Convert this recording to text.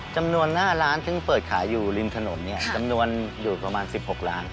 จำนวนหน้าร้านซึ่งเปิดขายอยู่ริมถนนเนี่ยจำนวนอยู่ประมาณ๑๖ล้าน